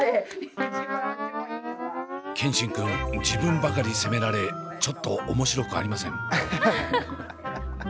自分ばかり責められちょっと面白くありません。